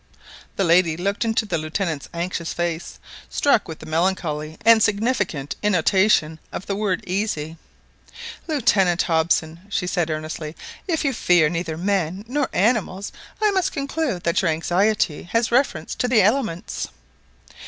The lady looked into the Lieutenant's anxious face, struck with the melancholy and significant intonation of the word easy. "Lieutenant Hobson," she said earnestly, "if you fear neither men nor animals, I must conclude that your anxiety has reference to the elements."